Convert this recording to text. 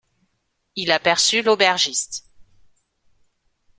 Il aperçut l’aubergiste.